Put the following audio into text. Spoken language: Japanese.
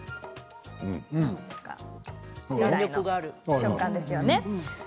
食感ですよね。